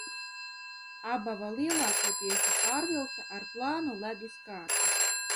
Abava lielāko tiesu pārvilkta ar plānu ledus kārtu.